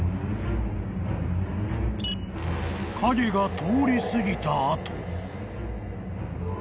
［影が通り過ぎた後］